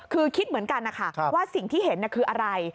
คือคิดเหมือนกันนะคะว่าสิ่งที่เห็นคืออะไร